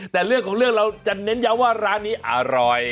แต่เรื่องของเรื่องเราจะเน้นย้ำว่าร้านนี้อร่อย